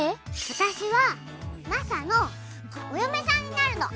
私はマサのお嫁さんになるの！